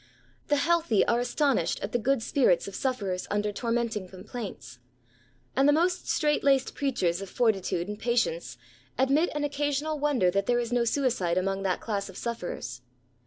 The healthy are astonished at the good spirits of suffer ers under tormenting complaints; and the most strait laced preachers of fortitude and patience admit an occasional wonder that there is no suicide among that class of sufferers.